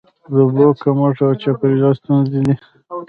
د اوبو کمښت او چاپیریال ستونزې دي.